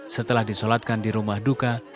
setelah disolatkan di rumah duka